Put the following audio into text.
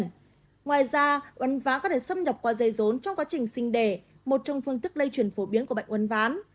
ngoài ra uấn ván có thể xâm nhập qua dây rốn trong quá trình sinh đẻ một trong phương thức lây truyền phổ biến của bệnh uấn ván